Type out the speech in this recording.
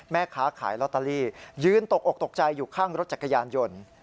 แม่ค้าขายลอตเตอรี่ยืนตกอกตกใจอยู่ข้างรถจักรยานยนต์